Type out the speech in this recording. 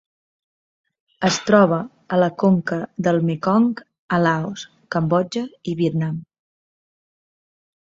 Es troba a la conca del Mekong a Laos, Cambodja i Vietnam.